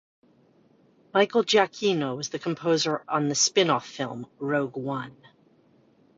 Michael Giacchino was the composer on the spin-off film, "Rogue One".